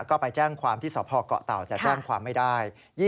ก็ไปแจ้งความที่สพเกาะเต่าแต่แจ้งความไม่ได้